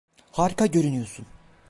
Harika görünüyorsun.